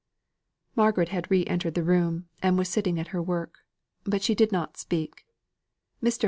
Margaret had re entered the room and was sitting at her work; but she did not speak. Mr.